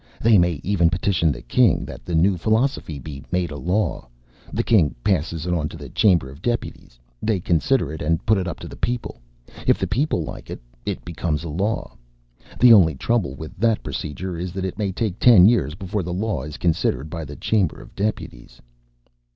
They may even petition the King that the new philosophy be made a law. The King passes it on to the Chamber of Deputies. They consider it and put it up to the people. If the people like it, it becomes a law. The only trouble with that procedure is that it may take ten years before the law is considered by the Chamber of Deputies."